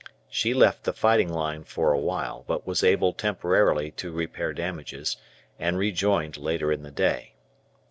She left the fighting line for a while, but was able temporarily to repair damages, and rejoined later in the day.